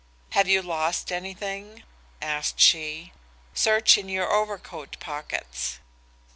"'Have you lost anything?' asked she. 'Search in your overcoat pockets.